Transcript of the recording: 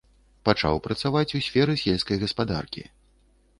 Пачаў працаваць у сферы сельскай гаспадаркі.